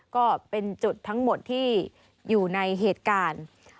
ก็เป็นจุดทั้งหมดที่อยู่ในเหตุการณ์